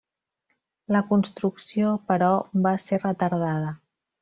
La construcció, però, va ser retardada.